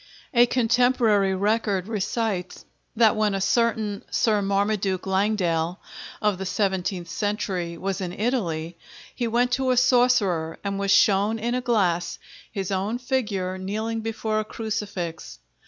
A contemporary record recites that when a certain Sir Marmaduke Langdale (of the seventeenth century) was in Italy, he went to a sorcerer and was shown in a glass his own figure kneeling before a crucifix.